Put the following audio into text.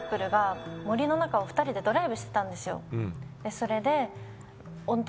それで。